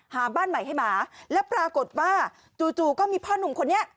บ้านใหม่ให้หมาแล้วปรากฏว่าจู่ก็มีพ่อหนุ่มคนนี้